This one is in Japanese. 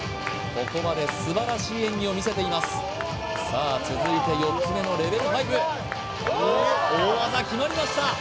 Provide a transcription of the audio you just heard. ここまで素晴らしい演技を見せていますさあ続いて４つ目のレベル５大技決まりました！